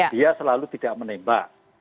dia selalu tidak menembak